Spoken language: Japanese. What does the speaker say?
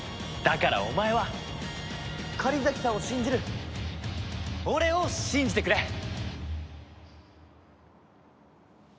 だからお前は狩崎さんを信じる俺を信じてくれ！